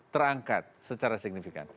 terangkat secara signifikan